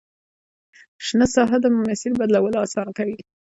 شنه ساحه د مسیر بدلول اسانه کوي